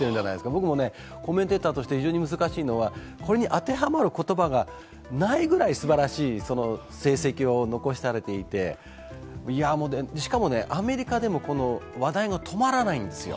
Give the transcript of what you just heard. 僕もコメンテーターとして非常に難しいのは、ここに当てはまる言葉がないぐらいすばらしい成績を残されていてしかもアメリカでも話題が止まらないんですよ。